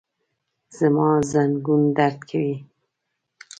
زما زنګون درد کوي